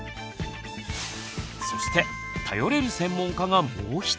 そして頼れる専門家がもう一人！